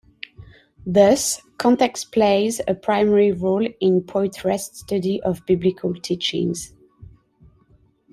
Thus, context plays a primary role in Poythress's study of Biblical teachings.